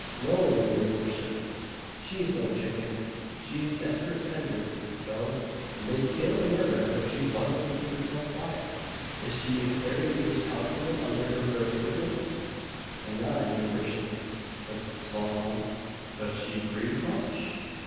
"No, your vorship, she's no chicken, but she's desperate tender, though; and they'd kill and murder her, if she vasn't to keep herself quiet." "Is she very disconsolate under her bereavement?" "Anan, your vorship," said Solomon. "Does she grieve much?"